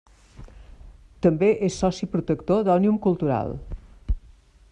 També és soci protector d’Òmnium Cultural.